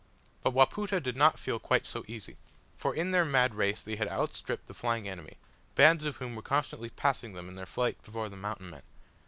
But Wapoota did not feel quite so easy, for in their mad race they had outstripped the flying enemy, bands of whom were constantly passing them in their flight before the Mountain men.